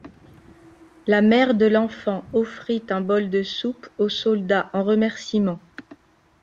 La mère de l'enfant offrit un bol de soupe au soldat en remerciement.